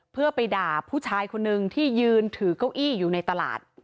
เพื่อไปด่าผู้ชายคนนึงที่ยืนถือเก้าอี้อยู่ในตลาด